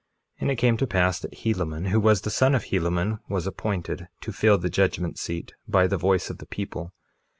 2:2 And it came to pass that Helaman, who was the son of Helaman, was appointed to fill the judgment seat, by the voice of the people.